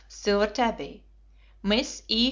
Silver Tabby. Miss E.